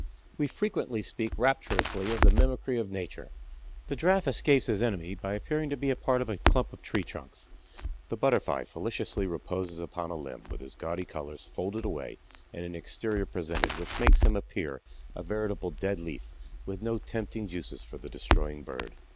We frequently speak rapturously of the mimicry of Nature. The Giraffe escapes his enemy by appearing to be a part of a clump of tree trunks, the Butterfly felicitously reposes upon a limb with his gaudy colors folded away and an exterior presented which makes him appear a veritable dead leaf with no tempting juices for the destroying Bird.